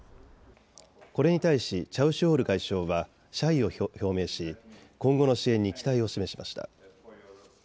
これに対しチャウシュオール外相は謝意を表明し今後の支援に期待を示しました。